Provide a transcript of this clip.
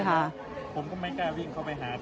ผมก็ไม่กล้าวิ่งเข้าไปหา